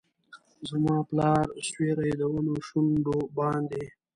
زما د پلار سیوري ، د ونو شونډو باندې